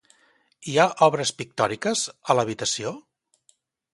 Hi ha obres pictòriques, a l'habitació?